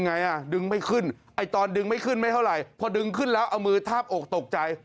ไอ้ตอนแปดไม่ขึ้นไม่เท่าไหร่พอดึงขึ้นแล้วเอามือทาบอกตกใจ